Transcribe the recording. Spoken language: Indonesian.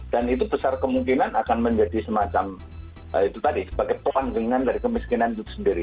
dan itu besar kemungkinan akan menjadi semacam itu tadi sebagai pelan pelan dari kemiskinan itu sendiri